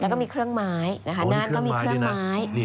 แล้วก็มีเครื่องไม้นะคะนั่นก็มีเครื่องไม้